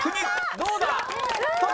どうだ？